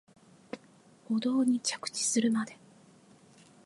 舗道に着地するまで